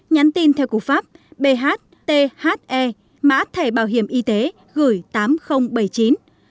hai nhắn tin theo cụ pháp bhthe mã thẻ bảo hiểm y tế gửi tám nghìn bảy mươi chín